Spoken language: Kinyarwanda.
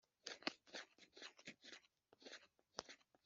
Umukobwa wo mu itsinda rya munani